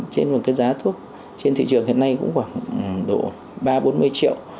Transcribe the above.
trên một cái giá thuốc trên thị trường hiện nay cũng khoảng độ ba bốn mươi triệu